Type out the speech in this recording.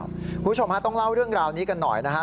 คุณผู้ชมฮะต้องเล่าเรื่องราวนี้กันหน่อยนะฮะ